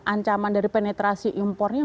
ancaman dari penetrasi impornya